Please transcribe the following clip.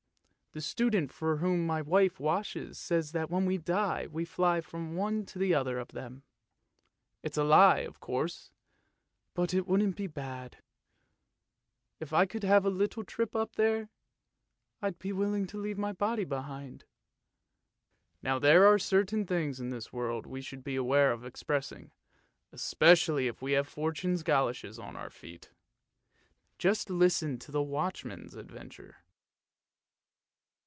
The student for whom my wife washes says that when we die we fly from one to the other of them. It's a lie, of course, but it wouldn't be bad. If I could have a little trip up there, I'd willingly leave my body behind." Now there are certain things in the world we should beware of expressing, especially if we have Fortune's goloshes on our feet. Just listen to the watchman's adventure.